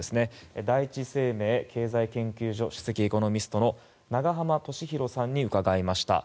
第一生命経済研究所首席エコノミストの永濱利廣さんに伺いました。